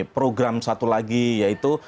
program satu lagi yaitu